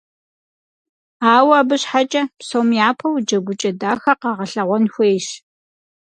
Ауэ абы щхьэкӀэ, псом япэу джэгукӀэ дахэ къагъэлъэгъуэн хуейщ.